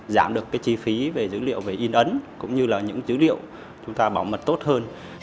giảm được chi phí về dữ liệu về in ấn cũng như là những dữ liệu chúng ta bảo mật tốt hơn